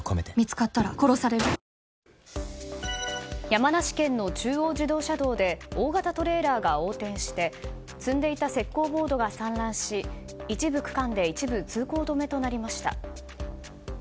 山梨県の中央自動車道で大型トレーラーが横転して積んでいた石膏ボードが散乱し一部区間で一部通行止めとなりました。